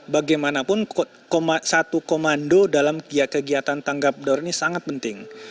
bagaimanapun satu komando dalam kegiatan tanggap darurat ini sangat penting